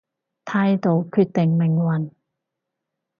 態度決定命運